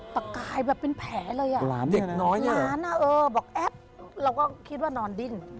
ปากกายแบบเป็นแผลเลยอ่ะหลานอ่ะเออบอกแอปเราก็คิดว่านอนดิ้น